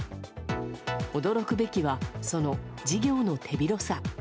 驚くべきは、その事業の手広さ。